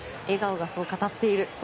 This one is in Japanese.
笑顔がそう語っている。